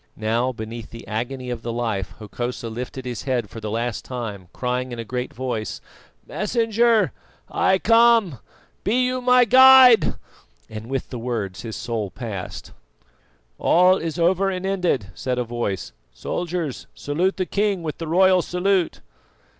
Now, beneath the agony of the knife Hokosa lifted his head for the last time, crying in a great voice: "Messenger, I come, be you my guide," and with the words his soul passed. "All is over and ended," said a voice. "Soldiers, salute the king with the royal salute."